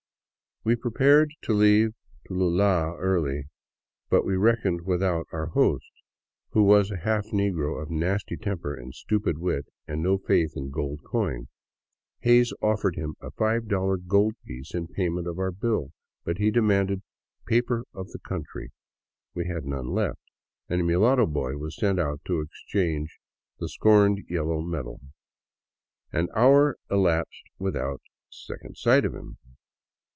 We prepared to leave Tulua early, but we reckoned without our host, who was a half negro of nasty temper and stupid wit, and no faith in gold coin. Hays offered him a $5 gold piece in payment of our bill, but he demanded " paper of the country." We had none left, and a mulatto boy was sent out to change the scorned yellow metal. An hour elapsed without a second sight of him.